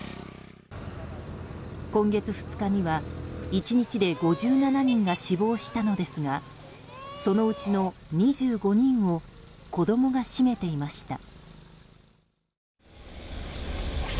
今月２日には１日で５７人が死亡したのですがそのうちの２５人を子供が占めていました。